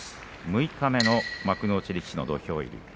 六日目の幕内力士の土俵入り。